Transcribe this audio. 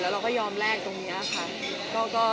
แต่เราก็ควรจะไม่ได้แย้นตรงนี้ค่ะ